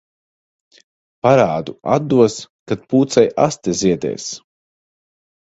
Parādu atdos, kad pūcei aste ziedēs.